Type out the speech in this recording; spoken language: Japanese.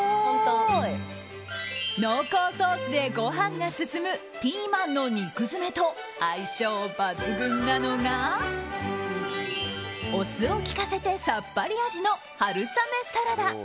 濃厚ソースでご飯が進むピーマンの肉詰めと相性抜群なのがお酢をきかせてさっぱり味の春雨サラダ。